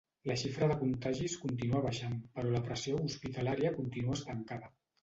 La xifra de contagis continua baixant, però la pressió hospitalària continua estancada.